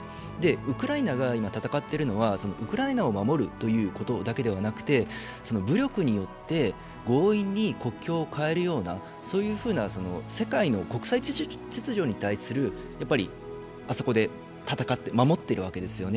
ウクライナが今戦っているのはウクライナを守るということだけではなくて武力によって強引に国境を変えるような世界の国際秩序に対するあそこで守っているわけですよね。